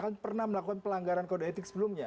karena sudah pernah melakukan pelanggaran kode etik sebelumnya